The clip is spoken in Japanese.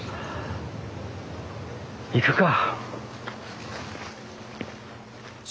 行くか。